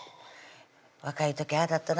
若い時ああだったな